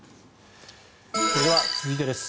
では、続いてです。